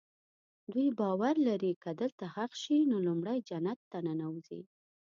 دوی باور لري که دلته ښخ شي نو لومړی جنت ته ننوځي.